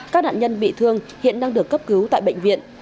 các nạn nhân bị thương hiện đang được cấp cứu tại bệnh viện